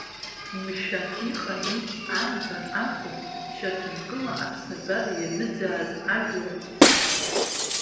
Мшәан иҟами, анбан акәым, шьаҭанкыла аԥсабара ианыӡааз ажәларқәа!